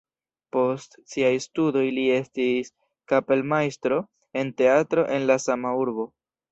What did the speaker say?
Post siaj studoj li estis kapelmajstro en teatro en la sama urbo.